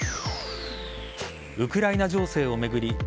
ウクライナ情勢を巡り